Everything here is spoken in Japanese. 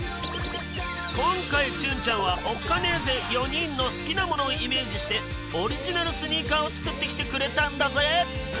今回ちゅんちゃんはオッカネーゼ４人の好きなものをイメージしてオリジナルスニーカーを作ってきてくれたんだぜ。